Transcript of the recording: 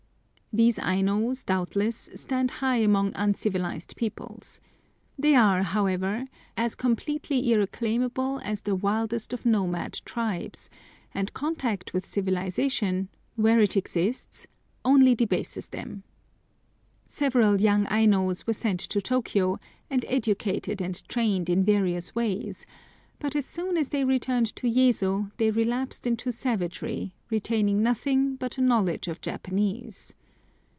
These Ainos, doubtless, stand high among uncivilised peoples. They are, however, as completely irreclaimable as the wildest of nomad tribes, and contact with civilisation, where it exists, only debases them. Several young Ainos were sent to Tôkiyô, and educated and trained in various ways, but as soon as they returned to Yezo they relapsed into savagery, retaining nothing but a knowledge of Japanese.